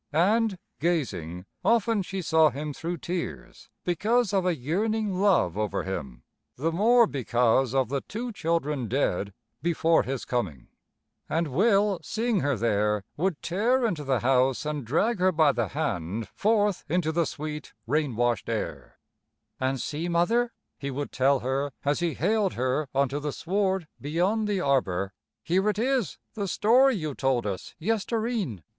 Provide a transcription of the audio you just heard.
And, gazing, often she saw him through tears, because of a yearning love over him, the more because of the two children dead before his coming. [Illustration: "His mother stepping now and then to the lattice window ..."] And Will, seeing her there, would tear into the house and drag her by the hand forth into the sweet, rain washed air. "An' see, Mother," he would tell her, as he haled her on to the sward beyond the arbor, "here it is, the story you told us yester e'en.